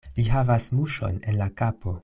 Li havas muŝon en la kapo.